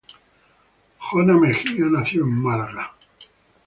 Jona Mejía, nació en Málaga.